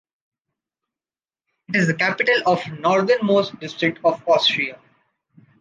It is the capital of the northernmost district of Austria.